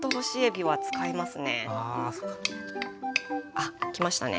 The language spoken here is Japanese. あっきましたね。